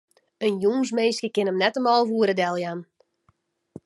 In jûnsminske kin him net om alve oere deljaan.